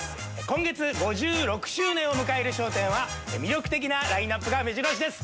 今月５６周年を迎える『笑点』は魅力的なラインアップがめじろ押しです。